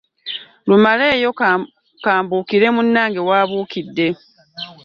Lumaleyo kambukire munange wabukiide.